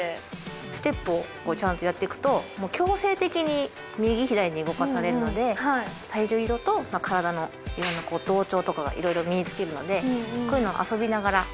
ステップをちゃんとやってくと強制的に右左に動かされるので体重移動と体のいろんな同調とかがいろいろ身につけるのでこういうのは遊びながら。